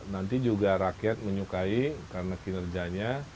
nanti juga rakyat menyukai karena kinerjanya